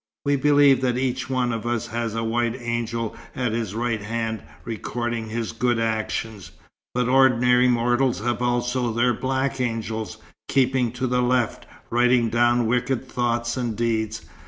We believe that each one of us has a white angel at his right hand, recording his good actions. But ordinary mortals have also their black angels, keeping to the left, writing down wicked thoughts and deeds.